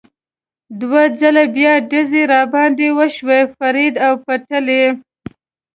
دوه ځله بیا ډزې را باندې وشوې، فرید له پټلۍ.